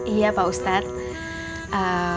iya pak ustadz